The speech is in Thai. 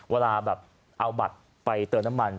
เวลาแบบเอาบัตรไปเติมน้ำมัน